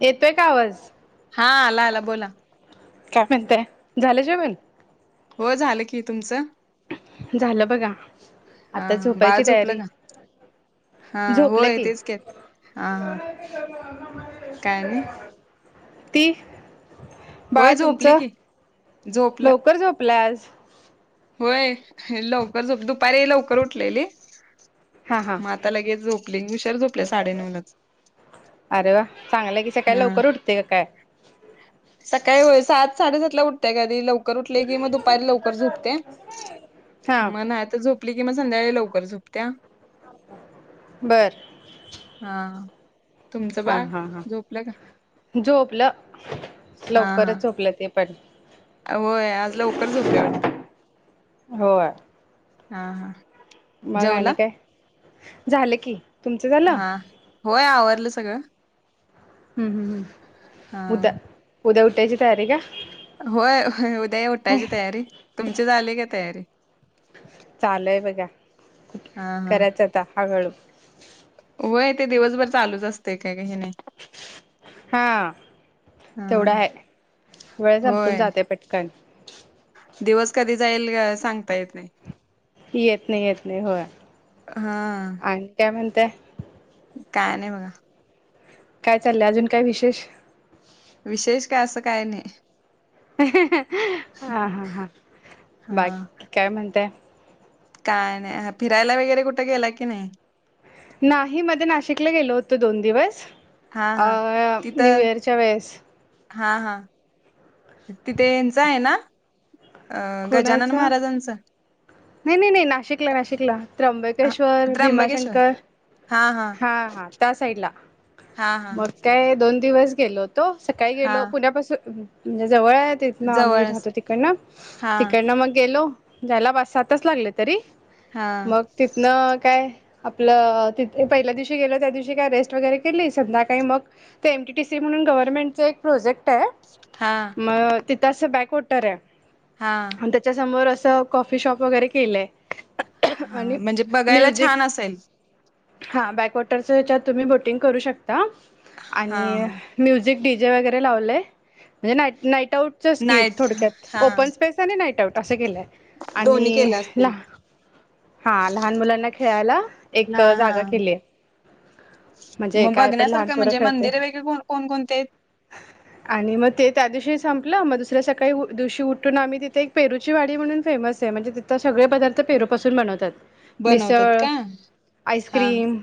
येतोय का आवाज. हां आला आला बोला. काय म्हणताय झालं जेवण. हो झालं की तुमचं. झालं बघा हा आतां बाळ झोपायची झोपलं तयारी. का हा होय तेच की हा हा. काय नाही [unintelligible] ती. होय बाळ झोपली तुमचं की झोपलं लवकर झोपलंय आज. होय लवकर झो दुपारी लवकर उठलेली. हा हा म आता लगेच झोपली उशर झोपलीया साडेनऊलाच. अरे वा चांगलयं की सकाळी हा लवकर उठते का काय. सकाळी होय सात साडेसातला उ त्या कधी लवकर उठले की मग दुपारी लवकर झोपते हा म नाही तर झोपते उठली की म संध्याकाळी लवकर झोपतीया. बर. हा. तुमचं हा बाळ हा झोपलं का हां झोपलं, हा हा लवकरच झोपलं ते. पण. होय आज लवकर झोपले वाटतं? हो. हां हां. मग आणि काय? झालं की. तुमचं झालं हा हम्म होय आवरलं सगळं. हम्म हम्म हा हम्म उदा उद्या उठायची तयारी का? होय होय उद्या हे उठायची तयारी, तुमची झाली का तयारी? चालूय बघा हा करायच आता हळूहळू. व्हय ते दिवसभर चालूच असतय काय काय हे नाई. हा तेवढा हा हाय, वेळ संपून होय जाते पटकन. दिवस कधी जाईल अ सांगता येत नाय. की येत नाही येत नाही होय हा आणि त्या म्हणत्या काय नाय बगा. काय चाललंय अजून काय विशेष? विशेष काय असं काय नाई. हा हा हां हा बाकी काय म्हणताय? काय नाय हा फिरायला वगैरे कुठे गेला की नाई? नाही मध्ये नाशिकला गेलो होतो दोन दिवस हा अ हा न्यू तिथं इयरच्या वेळेस. हा हा तिथे यांच आहे ना? अ गजानन महाराजांचं. नाई नाई नाई नाशिकला नाशिकला आ, त्र्यंबकेश्वर, त्र्यंबकेश्वर भीमाशंकर हा हा. साइडला हा हा मग काय दोन दिवस गेलो होतो सकाळी हा गेलो पुण्यापासून म्हणजे जवळ आहे तीथन आम्ही जवळच राहतो तिकडन हा ना मग गेलो जायला पाच सात तास लागले तरी हा मग तिथनं काय आपलं तिथे पहिल्या दिवशी गेलो त्या दिवशी काय रेस्ट वगैरे केली संध्याकाळी मग ते एम टी टी सी म्हणून गव्हर्नमेंटचं एक प्रोजेक्टय हा. मग तिथं असं बॅक वॉटर हाय. हां. त्याच्यासमोर असं कॉफी शॉप वगैरे केलंय. हा आणि म्हणजे बघायला म्युझिक छान असेल. हा बॅकवॉटरच्या हेच्यात तुम्ही बोटिंग करू शकता हा आणि हा म्युझिक डी जे वगैरे लावलेय म्हणजे नाईट नाईट आऊट चस की नाहीत थोडक्यात हा ओपन स्पेस आणि नाईट आउट असं केलंय दोन्ही आणि केल्या ला असतील. हा लहान मुलांना खेळायला एक हा हा जागा केलीय. मग बघण्यासारखं म्हणजे खेळते मंदिर वगैरे को कोण कोणती येत? आणि मग ते त्या दिवशी संपलं मग दुसऱ्या सकाळी उ दिवशी उठून आम्ही तिथे एक पेरूची वाडी म्हणून फेमस आहे म्हणजे तिथ त सगळे पदार्थ पेरूपासून बनवतात. बनवतात मिसळ का? हा आईस्क्रीम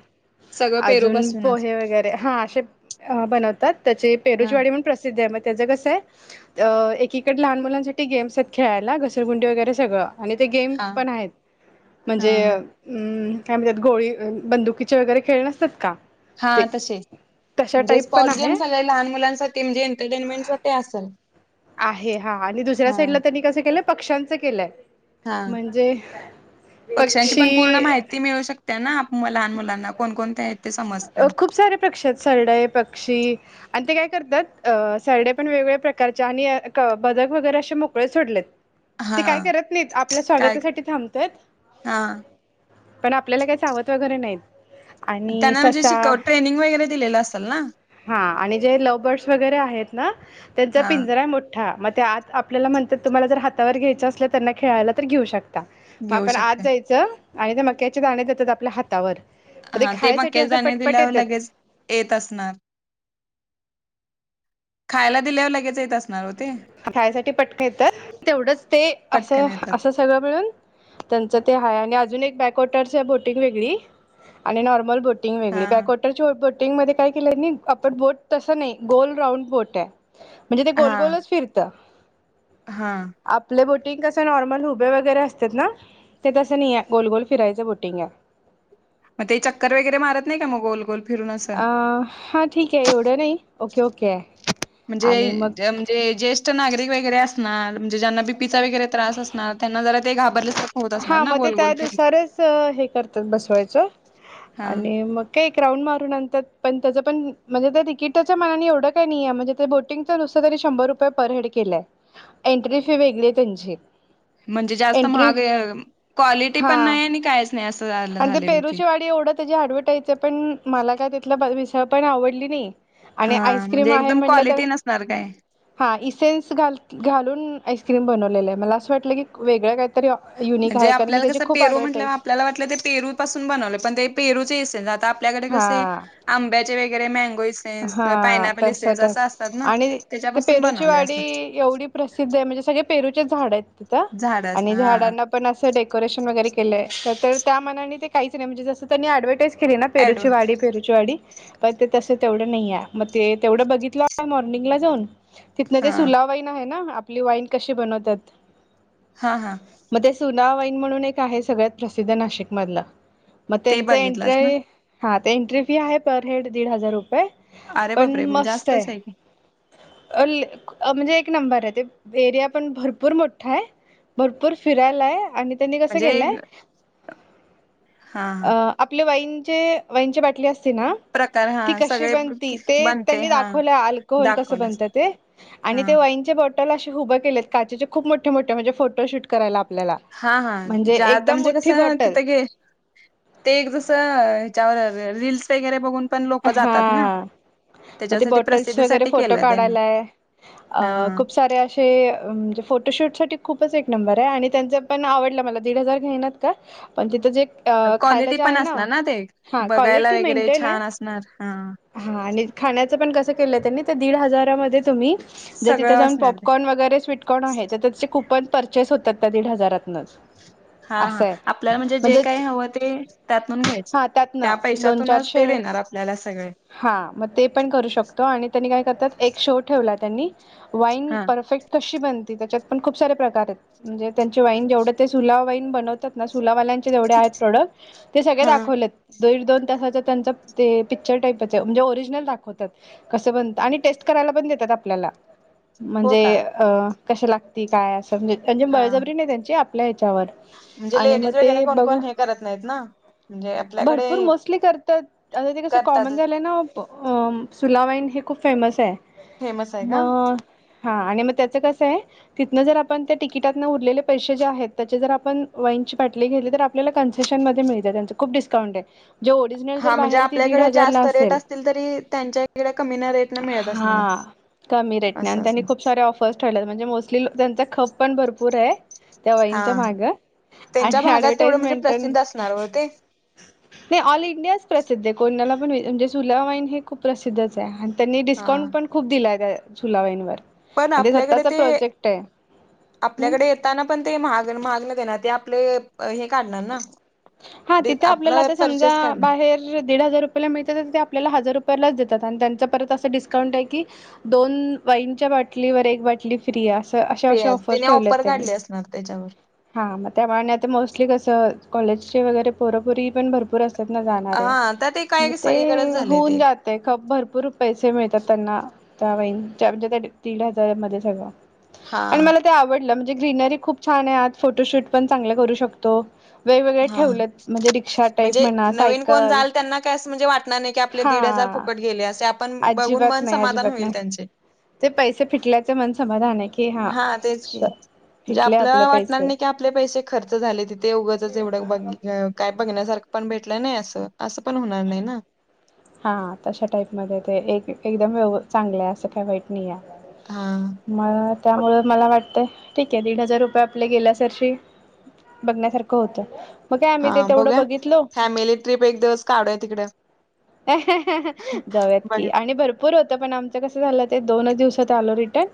सगळं पेरू अजून पासूनच पोहे वैग वगैरे हा शेत हा अ बनवतात, त्याची हा पेरुचीवाडी म्हणून प्रसिद्ध आहे मग त्याचं कसं आहे. अ एकीकडे लहान मुलांसाठी गेम्स आहेत खेळायला घसरगुंडी वगैरे सगळं. आणि ते गेम हा पण आहेत हा म्हणजे हा उम्म काय म्हणतात. गोळी बंदुकीचे वगैरे खेळ नसतात का? हा ते तसे तशा म्हणजे टाईप पण स्पॉर्ट आहे गेम्स आलेय लहान मुलांसाठी म्हणजे एंटरटेनमेंट साठी आसल. आहे हा आणि दुसऱ्या साईडला त्यांनी कसं केलंय पक्ष्यांचं केलंय. हा म्हणजें पक्षी ती मिळू शकते नां आप म लहान मुलांना कोणकोणत्या आहेत ते समज अं खूप सारे पक्षी आहेत, सरडे आहे पक्षी. आण ते काय करतात, अं सरडे पणं वेगवेळ्या प्रकारचे आणि क बदक वगैरे असे मोकळे सोडलेत. हा ते काय करत नाहीतं आपल्या काय स्वागतासाठी थांबतायेत. हा पणं आपल्याला काही चावत वगैरे नाहीत, आणि ससा. लासल नां! हां आणि जे लवबर्डसं वगैरे आहेत नां त्यांचा हा पिंजरा य मो ठा म ते आत आपल्याला म्हणतात तुम्हाला जर हातावर घ्यायचं असल, त्यांना खेळायला तर घेऊ शक ता म घेऊ आपण आत शकते जायचं आणि ते मक्याचे दाण्ये देतात आपल्या हातावर. मग हां ते खायसाठी मक्या चे असं दाण्ये पटपट दिल्यावर येतात लगेचं येतं असणार! खायला दिल्यावर लगेचं येत असणार. ते खायासाठी पटक येतात तर तेवढंच ते पटकन येतात असं-असंच. सगळं मिळून त्यांचं ते आहे, आणि अजून एक बॅकवॉटरच्यां बोटिंग वेगळी. आणि नॉर्मल बोटिंग वेगळी हा बॅक वॉट रच्यां बोटिंग मध्ये काय केलं यांनी, आपण बोट तसं नाही गोल रांऊड बोट आहे. म्हणजे तें गोलगोलचं फिरतं. हां! आपले बोटिंग कसं नॉर्मल हुबे वगैरे असतेत नां, तें तसं नही आहे, गोलगोल फिरायचं बोटिंग आहे. म ते चक्कर वगैरे मारत नाही कां म गोलगोलं. अ हां ठीक आहे एवढं नाही ओके-ओके. म्हणजे म्हणजे ज्येष्ठ नागरिक वगैरे असणारं म्हणजे ज्यांना बी पि चा वगरे त्रास असणार त्यांना जरा ते घाबरल्या सा हां मग ते त्यां नुसारच हें करतात बसवायच हा आणि मग! काय एक राऊंड मारून आणतात पण त्याच पणं म्हणजे त्या तिकीटच्या मानाने एवढं काही नहीया म्हणजे ते बो टिंग च नुसतं त्यांनी शंभर रुपये पर हेड केलय, एन्ट्री फी वेगळी आहे त्यांची. म्हणजे जास्तं एंट्री महाग ये क्वालिटी पण हा नाही, आणि काहीचं नाही असं आलं आणि झालंय म ते. पेरूची वाडी एवढं त्याची ऍडव्हर्टाईज पणं माला काय तिथल बं मिसळ पण आवडली नही. आणि हा आईस्क्रीम म्हणजे आहे एकदम म्हनलं त! क्वालिटी नसणार काय हां इसेन्स घाल-घालून आइस्क्रीम बनवलेलं आहे, मला असं वाटलं की वेगळं काहीतरी युनिक म्हणजे आहे कारण की आपल्याला त्याची कसं खूप पेरु म्हटलं वं ऍडव्हटाईज आपल्याला वाटलं तें पेरू पासून बनवलं पन ते पेरूचे इसेन्स आतां आपल्याकडे कसे हा आंब्याचे वगैरे मॅगों इस सेन्स हा पायनपल तस इसेन्स असं तस असतात नां आणि ते त्याच्यापासून पेरूची बनवले वाडी असनार. एवढी प्रसिद्ध आहे, म्हणजे सगळे पेरूचे झाडं आहेत तिथं झाडच ना. आणि हा झाडांना पण असं डेकोरेशन वगैरे केलंय, तर त्या मानाने तें काहीचं नही, म्हणजे जसं त्यांनी ऍडवर्टाईज केली नां! ऍड पेरूची वाडी, पेरूची वाडी पणं ते तसे. तेवढं नईया मं तें तेवढं बघीतलं आम्ही माॅरनींगला जाऊन, तिथन ते हा सुला वाइन आहे नां आपली वाईन कशी बनवत्यात. हां हां! मग तें सुना वाईन म्हणून ऐक आहे सगळ्यात प्रसिद्ध नाशिक मधलं. मग ते त्यांच बघितलंस ना एंट्री हां ते एंट्री फी आहे पर हेड दीड हजार रुपये अरे पण बापरे मस्त आहे. जास्तच की अं म्हणजे एक नंबर आहे ते एरिया पण भरपूर मोठा आहे. भरपूर फिरायलायं आणि त्यांनी कसं म्हणजे केलंय हा अ हा आपले वाईंचे, वईंची बाटली असते ना प्रकार हा ती कशी सगळे बशती बनते त्यांनी हा दाखवल अल्कोहोल कसं दाखवलंस बनतते हा आणि ते वाईन बोट बोटल अशे उभे केले आहेतं काचेचे खूप मोठे, मोठे म्हणजे फोटोशूट करायला आपल्याला हा, हा म्हणजे जे आता एकदम म्हणजे मोठी कसं बॉटल तिथं गेल ते एक जस अ हेच्यावर रीलीलस वगैरे बघून पण लोक जातात ना. हा मग ते त्याच्यासाठी बॉटल्स वगैरे प्रसिद्धीसाठी फोटो केलं त्यांनी. काढायलाय हा. खूप सारे अशे म्हणजे फोटोशूट साठी खूपच एक नंबर आहे आणि त्यांच पण आवडल मला दीड हजार घेईना का पण तिथं जे खायला क्वालिटी जे पण आहे ना असणार हा क्वालिटी मेंटेन आहे. नार हा. हा आणि खाण्याचं पण कसं केलं त्यांनी त्या दीड हजारा मध्ये तुम्ही जर तिथे सगळं जाऊन असणार ते पॉपकॉर्न वगैरे स्वीट कॅण आहे तर त्याचे कूपन परचेस होतात त्या दीड हजारातनंच. हा हा आपल्याला म्हणजे जे काय हवं ते त्यातून घ्यायचे. हा त्या त्यातनं दोन पैशातूनच ते चारशे देणार आपल्याला सगळे. हा मग ते पण करू शकतो आणि त्यांनी काय करतात एक शो ठेवला त्यांनी वाईन हा. परफेक्ट कशी बनती त्याच्यात पण खूप सारे प्रकार आहेत. म्हणजे त्यांचे वाईन जेवढं ते सुला वाईन बनवतात ना सुलावाल्यांचे चे आहेत जेवढे प्रोडक ते सगळे हा. दाखवलेत दीड, दोन तासाच्या त्यांचा ते पिक्चर टाईपच हे म्हणजे ओरिजिनल दाखवत्यात. कसं बनत आणि टेस्ट करायला पण देतात आपल्याला. हो म्हणजे का अ कशी लागती काय असं म्हणजे, म्हणजे हा बळजबरी नाही त्यांची आपल्या ह्याच्यावर म्हणजे आणि मग लेडीज वगैरे ते कोण बघून कोण हे करत नाहीत ना. म्हणजे आपल्याकडे भरपूर मोस्ली करतात. आता ते कसं कॉमन करतातच झालंय आहे ना सुलावाईन हे खूप फेमस आहे. फेमस आहे का? मग हा आणि मग त्याच कसं आहे. तिथनं जर आपण त्या तिकिटातंन उरलेले पैसे जे आहेत त्याचे जर आपण वाईची बाटली घेतली तर आ आपल्याला कन्सेशन मध्ये मिळते त्यांचे खूप डिस्काउंट आहे जे ओरिजनल हा म्हणजे आपल्याकडे जास्त रेट असतील तरी त्यांच्या इकडे कमी ना रेट न मिळत असणार. हा कमी रेटने आणि असं त्यांनी असं खूप सारे ऑफर्स ठेवल्यात म्हणजे मोस्टली त्यांच खप पण भरपूर आहे. त्या वाईनच्या हा माग त्यांच्या आणि भागात तेवढं म्हणजे ऍडवटाईजमेंटन प्रसिद्ध असणार हो ते नाही ऑल इंडियाच प्रसिद्ध आहे कोणाला पण म्हणजे सुलावाईन हे खूप प्रसिद्धच आहे. त्यांनी हा डिस्काउंट पण खूप दिलाय सुला वाईन वर. पण आपल्याकडे ते हम्म. आपल्याकडे देताना पण ते महाग, महाग नाही देणार ते आपले हे काढणार ना हा तिथं आपल्याला आपलं आता समजा परचेस काढणार बाहेर दीड हजार रुप आपल्या मिळतात ते आपल्याला हजार रुपयालाच देतात आणि त्यांचा परत असं डिस्काउंट आहे की दोन वाईंच्या बाटलीवर एक बाटली फ्री असं अशा, अशा फ्रियाज ऑफर्स त्याने ठेवल्यात ऑफर त्यांनी. काढली असणार त्याच्यावर हा मग त्यामुळे आणि आता मोस्टली कसं कॉलेजचे वगैरे पोरपोरी पण भरपूर असत तात ना जाणारे हा तर मग काय ते सगळीकडेच झाले होऊन जात ते खप भरपूर पैसे मिळतात त्यांना. त्या वाईन [unintelligible] दीड हजारमध्ये सगळं. हा. आणि मला ते आवडलं. म्हणजे ग्रीनरी खूप छान आहे आत. फोटोशूट पण चांगलं करू शकतो. वेगवेगळे हा. ठेवलेत म्हणजे रिक्षा टाईप म्हणजे म्हणा नवीन कोण सायकल जाल त्यांना काय अस म्हणजे वाट- -णार नाही की आपले दीड हजार हा फुकट गेले असे. आपण बघून अजिबात मन नाही समाधान अजिबात होईल नाही त्यांचे. ते पैसे फिटल्याचे म्हण समाधान आहे. की हा फिटले आपले पैसे. -णार नाही की आपले पैसे खर्च झाले तिथे ऊगचं. जेवढं ब काय बघण्यासारखं पण भेटलं नाही असं. असं पण होणार नाही ना? हां. तशा टाईपमध्ये ए ते. एक एकदम व्यव चांगलं आहे. असं काही वाईट नाही आहे. हा म त्यामुळं मला वाटतंय- ठीक ए. दीड हजार रुपये आपले गेल्यासरशी बघण्यासारखं होतं. म काय आम्ही ते हा तेवढं बघूया बघितलो- फॅमिली ट्रिप एक दिवस काढुया तिकड. जाऊयात की. बघा आणि भर- -पूर होत. पण आमचं कसं झालं ते दोनच दिवसात आलो रिटर्न.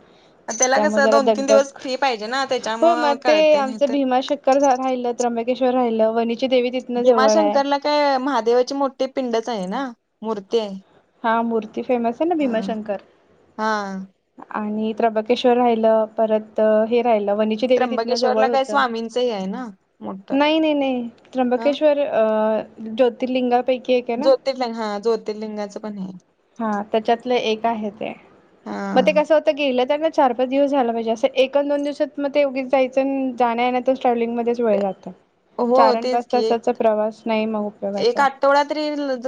त्याला त्यामुळे कसं जरा दोन तीन दगदग. दिवस फ्री पाहिजे ना हो त्याच्यामुळे मग ते कळते नाही आमच तर भीमा शक- -कर राहिलं. त्रबकेश्वर राहिलं. वणीची देवी तिथनं जवळ आहे. ते महादेवाची मोठी पिंडच आहे ना? मूर्ती आहे. हा मूर्ती फेमस आहे ना? हा भीमाशंकर. हा आणि त्र्यंबकेश्वर राहिलं. परत हे राहिलं वणी - -ची देवी तिथन जवळ त्र्यंबकेश्वरला काय होत. स्वामींच हे आहे ना मोठं नाही नाही नाही हा त्र्यंबकेश्वर अ- ज्योतिर्लिंगापैकी एक- आहे ना ज्योतिर्लिंग हा ज्योतिर्लिंगाचं पण हे. हां. त्याच्यातल एक आहे ते. हा मग ते कसं होतं? गेलं त अग चार पाच दिवस झाल पाहिजे. असं एक न दोन दिवसात मग ते उगी- जायचन जाण्या येण्यातच ट्रॅवलिंग मध्येच वेळ जातो. हो चार न तेच पाच की तासाचा प्रवास नाही मग उपयोगाचा. तेवढा तरी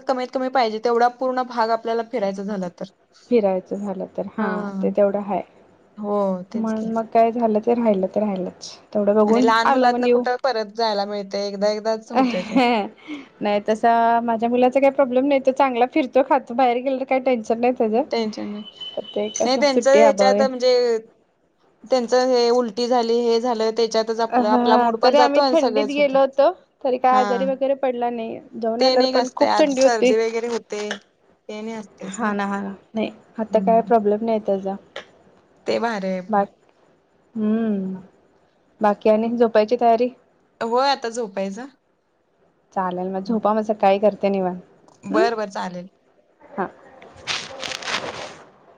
कमीत कमी पाहिजे. तेवढा पूर्ण भाग आपल्याला फिरायचा झाला- तर फिरायचं झालं तर. हा हां. ते तेवढं हाय. हो तेच की म्हणून मग- काही झालं त राहिल तर राहिलंच. तेवढ आणि बघून लहान आलो म मुलातन न्यू कुठं परत जायला मिळतय एकदा एकदाच - होतय ते नाही तसा माझ्या मुलाचा काही प्रॉब्लेम नाही. तो चांगला फिरतो खातो बाहेर गेल त काही टेन्शन नाही- त्याचं टेन्शन नाही. तर ते नाही कसं त्यांच सुट्टी अभाव हेच्यात आहे म्हणजे- त्यांच हे उलटी झाली. हे झालं त्याच्यात- -तच आपल आपला हा मूड पण तरी जातो. आम्ही आणि सगळ थंडीत हेच होतय. गेलो होतो तरी काय आजारी हां. वगैरे पडला नाही जाऊन ते आल्यावर आणि पण असतय खूप आज थंडी होती सर्दी वगैरे होते. ते आणि असतेयच ना? नाही आता काय हम्म प्रॉब्लेम नाही त्याचा. ते भारी ए आपल. बाकी हम्म. बाकी आणिक झोपायची तयारी? व्हय आता झोपायच. चालेल. म झोपा म. सकाळी करते निवांत. बरं बरं चालेल. हां.